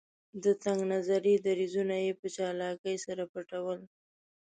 د تنګ نظري دریځونه یې په چالاکۍ سره پټول.